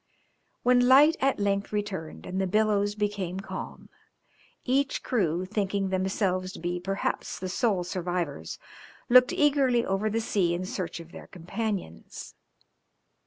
When light at length returned and the billows became calm, each crew, thinking themselves to be perhaps the sole survivors, looked eagerly over the sea in search of their companions.